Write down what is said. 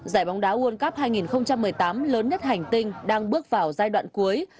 giải bóng đá world cup hai nghìn một mươi tám lớn nhất hành tinh đang bước vào giai đoạn cuối